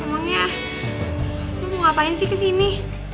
emangnya lo mau ngapain sih kesini